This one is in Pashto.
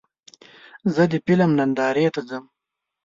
زه د فلم نندارې ته ځم.